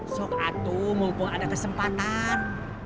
sok atuh mumpung ada kesempatan